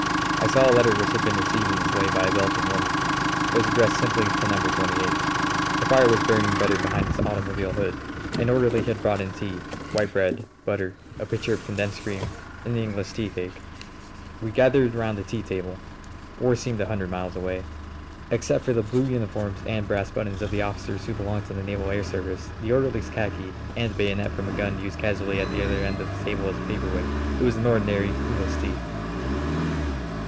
I saw a letter which had been received in this way by a Belgian woman. It was addressed simply to Number Twenty eight. The fire was burning better behind its automobile hood. An orderly had brought in tea, white bread, butter, a pitcher of condensed cream, and an English teacake. We gathered round the tea table. War seemed a hundred miles away. Except for the blue uniforms and brass buttons of the officers who belonged to the naval air service, the orderly's khaki and the bayonet from a gun used casually at the other end of the table as a paperweight, it was an ordinary English tea.